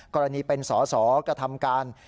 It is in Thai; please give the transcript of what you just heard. กรณีเป็นสอสอกระทำการ